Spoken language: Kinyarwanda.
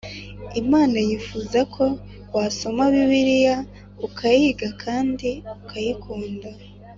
Imana yifuza ko wasoma Bibiliya ukayiga kandi ukayikunda